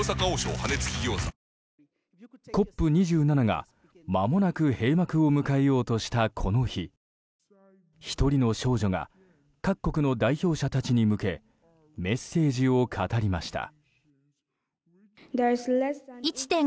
２７がまもなく閉幕を迎えようとしたこの日１人の少女が各国の代表たちに向けメッセージを語りました。